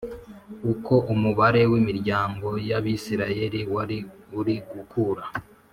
uko umubare w imiryango y Abisirayeli wari uri gukura